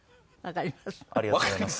ありがとうございます。